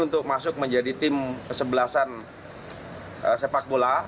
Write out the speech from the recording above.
untuk masuk menjadi tim kesebelasan sepak bola